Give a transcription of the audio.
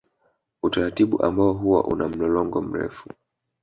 Utaratibu ambao huwa una mlolongo mrefu